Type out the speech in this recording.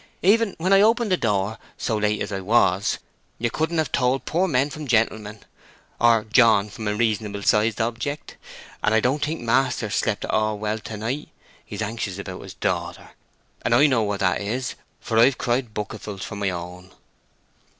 "Even when I opened the door, so late as I was, you couldn't have told poor men from gentlemen, or John from a reasonable sized object. And I don't think maister's slept at all well to night. He's anxious about his daughter; and I know what that is, for I've cried bucketfuls for my own."